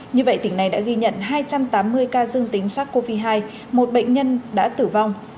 như vậy tỉnh này đã ghi nhận hai trăm tám mươi ca dương tính sars cov hai một bệnh nhân đã tử vong